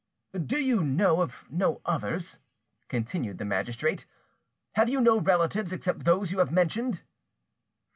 "Do you know of no others?" continued the magistrate. "Have you no relatives except those you have mentioned?"